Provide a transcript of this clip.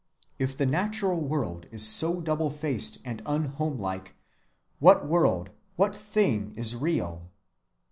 If the natural world is so double‐faced and unhomelike, what world, what thing is real?